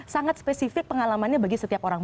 sangat spesifik pengalamannya bagi setiap orang